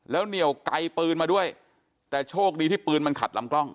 แล้วเหนียวไกลปืนมาด้วยแต่โชคดีที่ปืนมันขัดลำกล้อง